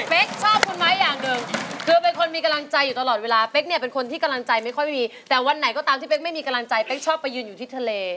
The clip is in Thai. ชอบคุณไม้อย่างหนึ่งคือเป็นคนมีกำลังใจอยู่ตลอดเวลาเป๊กเนี่ยเป็นคนที่กำลังใจไม่ค่อยมีแต่วันไหนก็ตามที่เป๊กไม่มีกำลังใจเป๊กชอบไปยืนอยู่ที่ทะเล